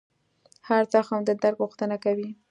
هر زخم د درک غوښتنه کوي.